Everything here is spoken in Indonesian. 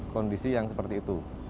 kondisi yang seperti itu